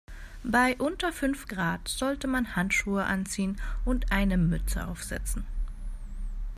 Bei unter fünf Grad sollte man Handschuhe anziehen und eine Mütze aufsetzen.